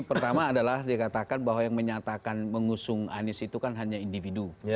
pertama adalah dikatakan bahwa yang menyatakan mengusung anies itu kan hanya individu